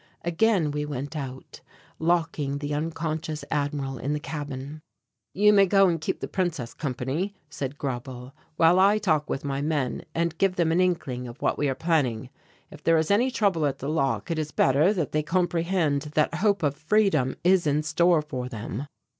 Again we went out, locking the unconscious Admiral in the cabin. "You may go and keep the Princess company," said Grauble, "while I talk with my men and give them an inkling of what we are planning. If there is any trouble at the lock it is better that they comprehend that hope of freedom is in store for them."